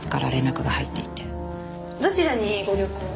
どちらにご旅行を？